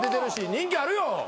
人気あるよ。